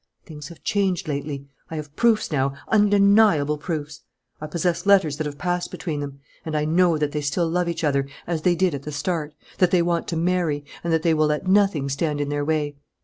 Things have changed lately. I have proofs now, undeniable proofs. I possess letters that have passed between them. And I know that they still love each other as they did at the start, that they want to marry, and that they will let nothing stand in their way.